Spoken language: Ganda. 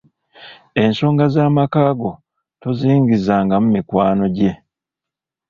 Ensonga z'amaka go toziyingizaamu mikwano gye.